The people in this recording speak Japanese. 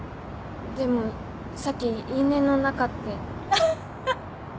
でもさっき因縁の仲って。